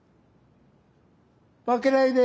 負けないで。